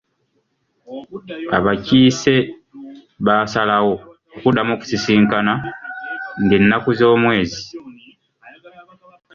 Abakiise baasalawo okuddamu okusisinkana ng’ennaku z’omwezi.